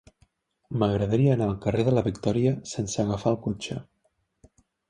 M'agradaria anar al carrer de la Victòria sense agafar el cotxe.